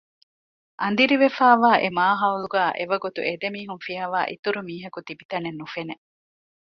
އަނދިރިވެފައިވާ އެ މާހައުލުގައި އެވަގުތު އެދެމީހުން ފިޔަވާ އިތުރު މީހަކު ތިބިތަނެއް ނުފެނެ